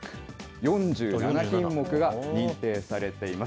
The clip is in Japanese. ４７品目が認定されています。